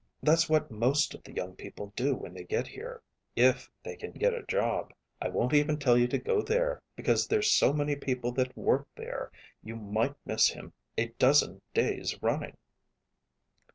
That's what most of the young people do when they get here ... if they can get a job. I won't even tell you to go there, because there're so many people that work there, you might miss him a dozen days running."